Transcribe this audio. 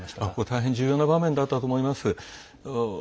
大変重要な場面だったと思います。